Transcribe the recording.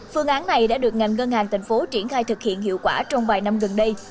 phương án này đã được ngành ngân hàng thành phố triển khai thực hiện hiệu quả trong vài năm gần đây